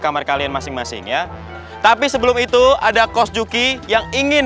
kamar kalian masing masing ya tapi sebelum itu ada kos juki yang ingin